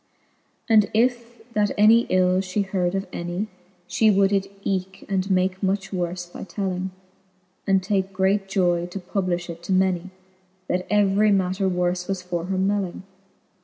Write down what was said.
XXXV. And if that any ill fhe heard of any, She would it eeke, and make much worfe by telling, And take great joy to publifh it to many, That every matter worfe was for her melling.